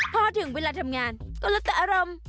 พอถึงเวลาทำงานก็แล้วแต่อารมณ์